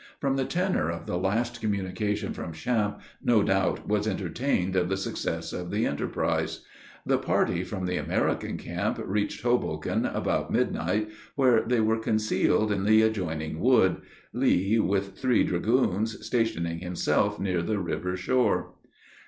From the tenor of the last communication from Champe, no doubt was entertained of the success of the enterprise. The party from the American camp reached Hoboken about midnight, where they were concealed in the adjoining wood Lee, with three dragoons, stationing himself near the river shore.